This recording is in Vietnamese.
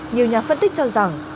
nhiều nhà phân tích cho rằng